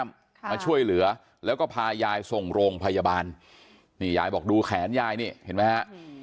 มาช่วยเหลือแล้วก็พายายส่งโรงพยาบาลนี่ยายบอกดูแขนยายนี่เห็นไหมฮะ